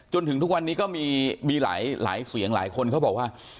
จนถึงทุกวันนี้ก็มีหลายเสียงหลายคนเขาบอกว่า